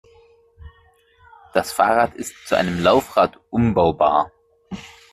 Das Fahrrad ist zu einem Laufrad umbaubar.